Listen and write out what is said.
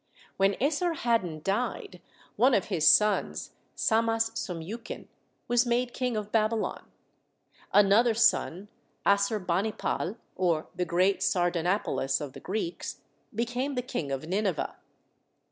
When Esarhaddon died, one of his sons, Samas sum yukin, was made King of Babylon. Another son, Assurbanipal, or the great Sardanapalus of the Greeks, became the King of Nineveh.